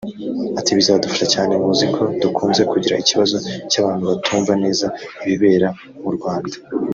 Ati “Bizadufasha cyane muziko dukunze kugira ikibazo cy’abantu batumva neza ibibera mu Rwanda